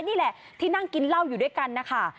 นี่แหละที่นั่งกินเหล้าอยู่ด้วยกันนะคะ